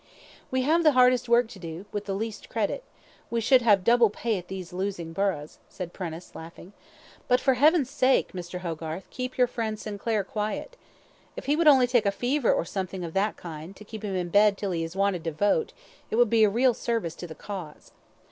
We have the hardest work to do, with the least credit; we should have double pay at these losing burghs," said Prentice, laughing. "But, for Heaven's sake! Mr. Hogarth, keep your friend Sinclair quiet. If he would only take a fever or something of that kind, to keep him in bed till he is wanted to vote, it would be a real service to the cause.